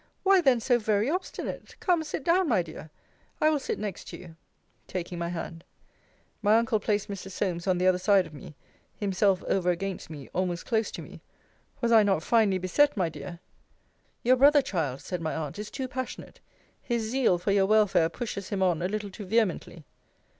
Why then so very obstinate? Come, sit down, my dear. I will sit next to you; taking my hand. My uncle placed Mr. Solmes on the other side of me: himself over against me, almost close to me. Was I not finely beset, my dear? Your brother, child, said my aunt, is too passionate his zeal for your welfare pushes him on a little too vehemently.